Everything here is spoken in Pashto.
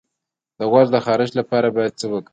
د غوږ د خارش لپاره باید څه وکاروم؟